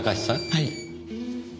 はい。